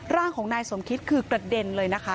ร่างของนายสมคิดคือกระเด็นเลยนะคะ